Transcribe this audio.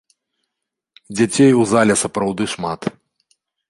Дзяцей у зале сапраўды шмат.